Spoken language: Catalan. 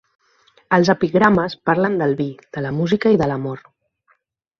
Els epigrames parlen del vi, de la música i de l'amor.